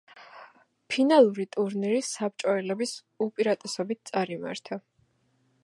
ფინალური ტურნირი საბჭოელების უპირატესობით წარიმართა.